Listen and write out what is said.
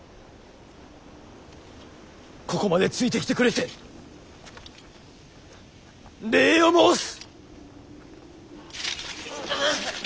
ここまでついてきてくれて礼を申す！